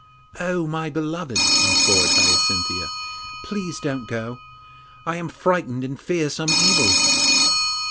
'Oh my beloved,' implored Hyacinthia, 'please don't go; for I am frightened and fear some evil.